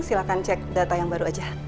silahkan cek data yang baru aja